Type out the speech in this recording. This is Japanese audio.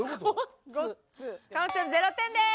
加納ちゃん０点です！